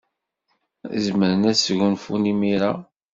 Zemren ad sgunfun imir-a.